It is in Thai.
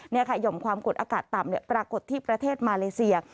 นี่ค่ะหย่อมความกดอากาศต่ำปรากฏที่ประเทศมาเลเซีย